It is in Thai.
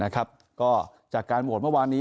ก็จากการโหวตเมื่อวานนี้